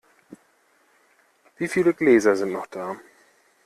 Wieviele Gläser sind noch da?